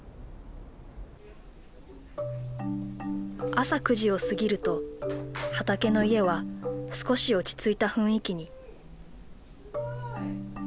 朝９時を過ぎるとはたけのいえは少し落ち着いた雰囲気に。